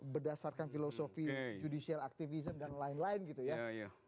berdasarkan filosofi judicial activism dan lain lain gitu ya